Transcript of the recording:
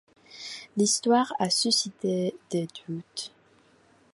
L'histoire a suscité des doutes.